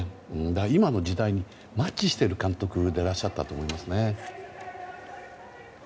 今の時代にマッチしている監督でいらっしゃったと思います。